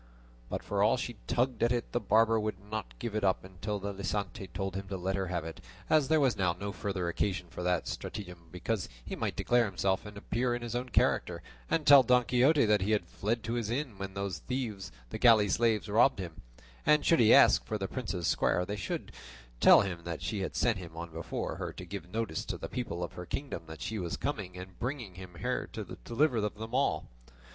But for all she tugged at it the barber would not give it up until the licentiate told him to let her have it, as there was now no further occasion for that stratagem, because he might declare himself and appear in his own character, and tell Don Quixote that he had fled to this inn when those thieves the galley slaves robbed him; and should he ask for the princess's squire, they could tell him that she had sent him on before her to give notice to the people of her kingdom that she was coming, and bringing with her the deliverer of them all.